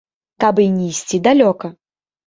Каб і не ісці далёка?